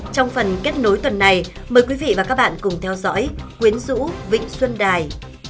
trong phần kết nối tuần này mời quý vị và các bạn cùng theo dõi quyến rũ vịnh xuân đài